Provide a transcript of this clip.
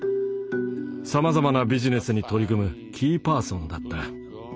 さまざまなビジネスに取り組むキーパーソンだった。